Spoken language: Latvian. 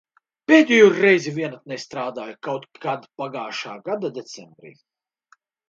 Pēdējo reizi vienatnē strādāju kaut kad pagājušā gada decembrī.